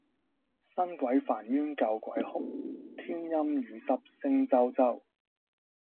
新鬼煩冤舊鬼哭，天陰雨濕聲啾啾！